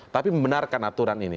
tapi membenarkan aturan ini